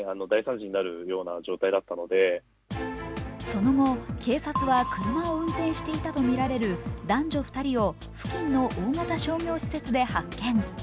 その後、警察は車を運転していたとみられる男女２人を付近の大型商業施設で発見。